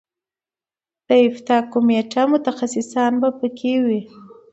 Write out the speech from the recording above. د افتا کمیټه متخصصان به په کې وي.